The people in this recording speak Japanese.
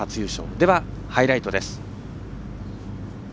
では、ハイライトです。